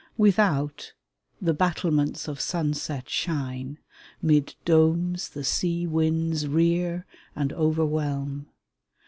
Without, the battlements of sunset shine, 'Mid domes the sea winds rear and overwhelm.